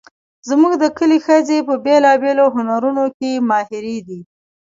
زموږ د کلي ښځې په بیلابیلو هنرونو کې ماهرې دي